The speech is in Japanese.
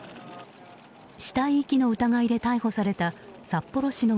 死体遺棄の疑いで逮捕された札幌市の